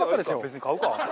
別に買うか。